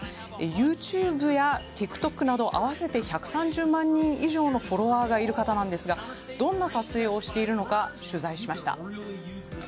ＹｏｕＴｕｂｅやＴｉｋＴｏｋなど合わせて１３０万人以上のフォロワーがいる方なんですがどんな撮影をしているのか取材しました。